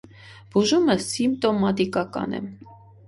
Բուժումը սիմպտոմատիկական է։